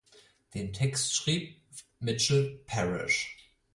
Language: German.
Den Text schrieb Mitchell Parish.